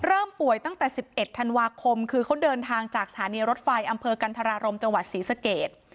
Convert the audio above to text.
เริ่มป่วยตั้งแต่๑๑ธันวาคมคือเขาเดินทางจากสถานีรถไฟอำเภอกันธรารมจังหวัดศรีสเกต